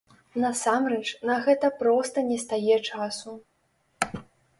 Насамрэч, на гэта проста нестае часу.